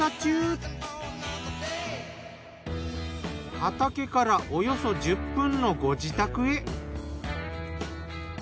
畑からおよそ１０分のご自宅へ。